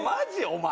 お前。